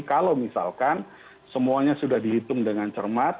kalau misalkan semuanya sudah dihitung dengan cermat